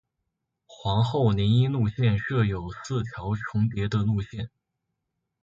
皇后林荫路线设有四条重叠的路线。